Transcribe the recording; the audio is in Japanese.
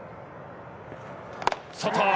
外。